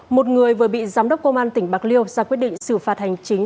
một người vừa bị giám đốc công an tỉnh bạc liêu ra quyết định xử phạt hành chính